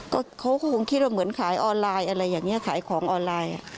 ก็เขาก็คงคิดว่าเหมือนขายออนไลน์อะไรอย่างนี้ขายของออนไลน์